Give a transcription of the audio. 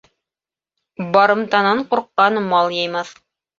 Барымтанан ҡурҡҡан мал йыймаҫ.